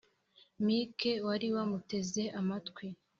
mike wari wamuteze amatwi